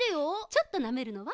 ちょっとなめるのは？